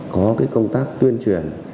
có công tác tuyên truyền